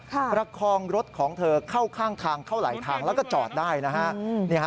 ประคองรถของเธอเข้าข้างทางเข้าหลายทางแล้วก็จอดได้นะฮะ